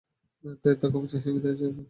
তাই ক্ষমা চাহিয়া বিদায় হইব।